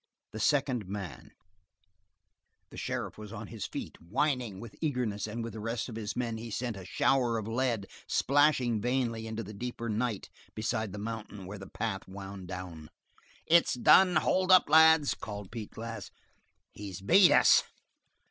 The Second Man The sheriff was on his feet, whining with eagerness and with the rest of his men he sent a shower of lead splashing vainly into the deeper night beside the mountain, where the path wound down. "It's done! Hold up, lads!" called Pete Glass. "He's beat us!"